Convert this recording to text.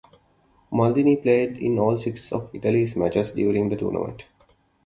Maldini played in all six of Italy's matches during the tournament.